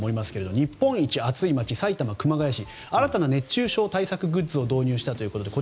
日本一暑い街埼玉・熊谷市が新たな熱中症対策グッズを導入したと。